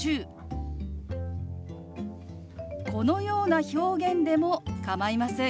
このような表現でも構いません。